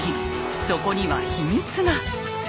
そこには秘密が。